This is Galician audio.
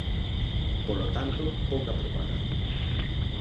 Polo tanto, pouca propaganda.